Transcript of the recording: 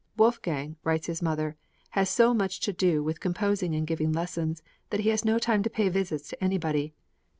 "Wolfgang," writes his mother, "has so much to do with composing and giving lessons that he has no time to pay visits to anybody.